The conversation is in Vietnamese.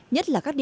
nhất là khách sạn